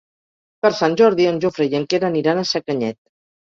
Per Sant Jordi en Jofre i en Quer aniran a Sacanyet.